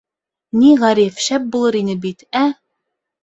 — Ни, Ғариф, шәп булыр ине бит, ә?